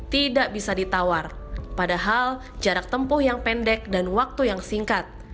tidak bisa ditawar padahal jarak tempuh yang pendek dan waktu yang singkat